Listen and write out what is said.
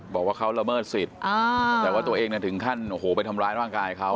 บอกว่าเขาละเมิดสิทธิ์แต่ว่าตัวเองถึงขั้นโอ้โหไปทำร้ายร่างกายเขา